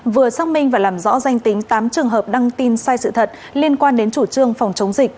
vừa xác minh và làm rõ danh tính tám trường hợp đăng tin sai sự thật liên quan đến chủ trương phòng chống dịch